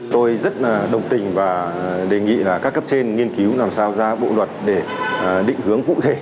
tôi rất đồng tình và đề nghị là các cấp trên nghiên cứu làm sao ra bộ luật để định hướng cụ thể